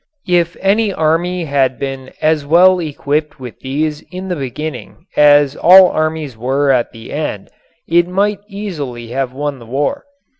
If any army had been as well equipped with these in the beginning as all armies were at the end it might easily have won the war.